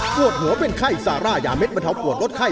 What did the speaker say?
ปวดหัวเป็นไข้ซาร่ายาเด็ดบรรเทาปวดลดไข้